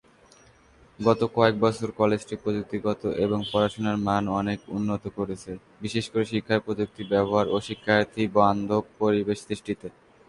গত কয়েক বছরে কলেজটি প্রযুক্তিগত এবং পড়াশোনার মান অনেক উন্নত করেছে, বিশেষত শিক্ষায় প্রযুক্তির ব্যবহার ও শিক্ষার্থী বান্ধব পরিবেশ সৃষ্টিতে।